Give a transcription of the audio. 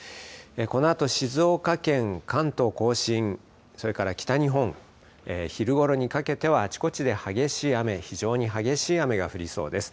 このあと静岡県、関東甲信、それから北日本、昼ごろにかけては、あちこちで激しい雨、非常に激しい雨が降りそうです。